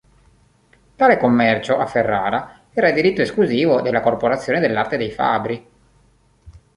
Tale commercio, a Ferrara, era diritto esclusivo della corporazione dell'Arte dei fabbri.